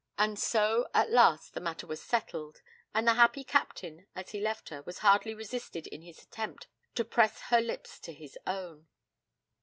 And so at last the matter was settled, and the happy Captain, as he left her, was hardly resisted in his attempt to press her lips to his own.